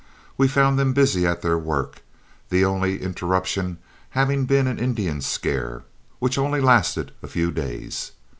We found them busy at their work, the only interruption having been an Indian scare, which only lasted a few days.